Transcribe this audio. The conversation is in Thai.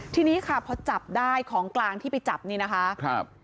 ทีนี้ค่ะพอจับได้ของกลางที่ไปจับนี่นะคะครับ